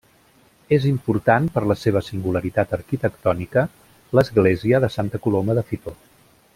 És important, per la seva singularitat arquitectònica, l'església de Santa Coloma de Fitor.